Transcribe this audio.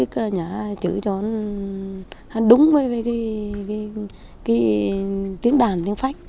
chọn đúng với cái tiếng đàn tiếng phách